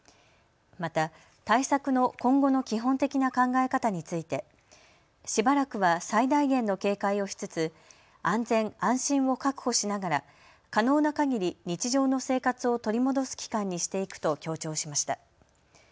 また対策の今後の基本的な考え方についてしばらくは最大限の警戒をしつつ安全、安心を確保しながら可能なかぎり日常の生活を取り戻す期間にしていくと強調しました。